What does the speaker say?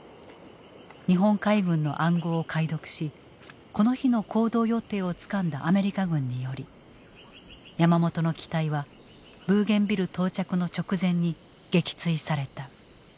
日本海軍の暗号を解読しこの日の行動予定をつかんだアメリカ軍により山本の機体はブーゲンビル到着の直前に撃墜された。